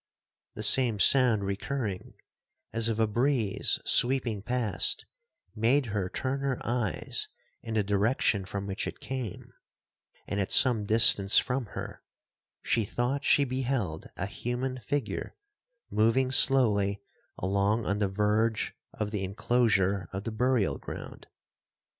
The same sound recurring, as of a breeze sweeping past, made her turn her eyes in the direction from which it came, and, at some distance from her, she thought she beheld a human figure moving slowly along on the verge of the inclosure of the burial ground.